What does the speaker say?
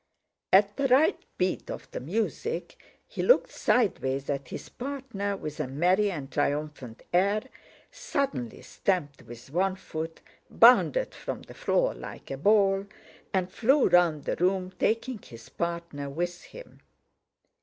At the right beat of the music he looked sideways at his partner with a merry and triumphant air, suddenly stamped with one foot, bounded from the floor like a ball, and flew round the room taking his partner with him.